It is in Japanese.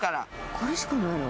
これしかないの？